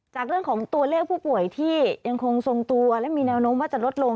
จากเรื่องของตัวเลขผู้ป่วยที่ยังคงทรงตัวและมีแนวโน้มว่าจะลดลง